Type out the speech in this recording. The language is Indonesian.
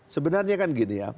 sebenarnya kan gini ya